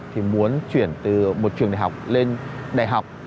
thì muốn chuyển từ một trường đại học lên đại học